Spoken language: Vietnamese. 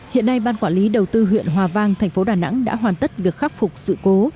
hiện nay ban quản lý đầu tư huyện hòa vang thành phố đà nẵng đã hoàn tất việc khắc phục sự cố